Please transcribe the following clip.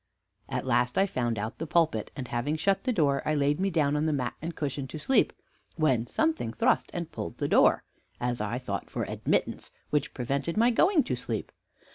"At last I found out the pulpit, and having shut the door, I laid me down on the mat and cushion to sleep; when something thrust and pulled the door, as I thought, for admittance, which prevented my going to sleep.